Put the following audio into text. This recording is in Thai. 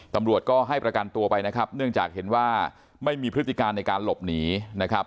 ตำรวจก็ให้ประกันตัวไปนะครับเนื่องจากเห็นว่าไม่มีพฤติการในการหลบหนีนะครับ